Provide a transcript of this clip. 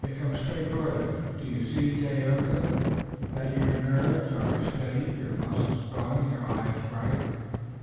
They come straight toward us. Do you see, Dagaeoga, that your nerves are steady, your muscles strong and your eyes bright.